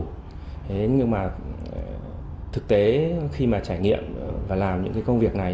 nhưng mà thực tế khi mà trải nghiệm và làm những công việc này